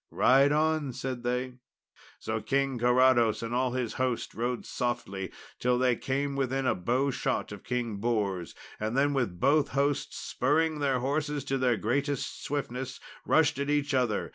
"Ride on," said they. So King Carados and all his host rode softly till they came within a bow shot of King Bors, and then both hosts, spurring their horses to their greatest swiftness, rushed at each other.